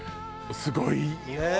すごいよ。